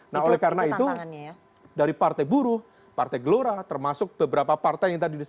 nah oleh karena itu dari partai buruh partai gelora termasuk beberapa partai yang tadi disebutkan